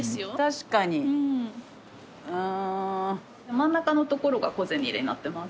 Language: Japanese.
真ん中のところが小銭入れになってます。